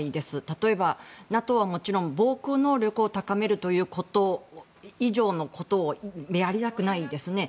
例えば、ＮＡＴＯはもちろん防空能力を高めること以上のことをやりたくないですね。